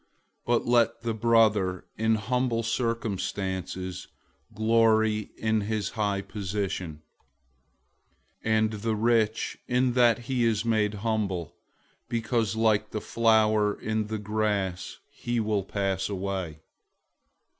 001:009 But let the brother in humble circumstances glory in his high position; 001:010 and the rich, in that he is made humble, because like the flower in the grass, he will pass away.